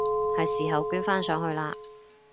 係時候捐返上去喇！